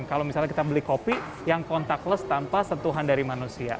kalau misalnya kita beli kopi yang kontakless tanpa sentuhan dari manusia